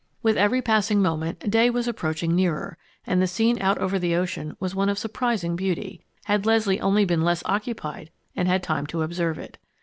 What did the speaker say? With every passing moment, day was approaching nearer, and the scene out over the ocean was one of surprising beauty, had Leslie only been less occupied and had time to observe it.